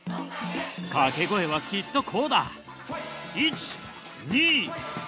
掛け声はきっとこうだ。